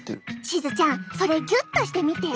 しずちゃんそれギュッとしてみて。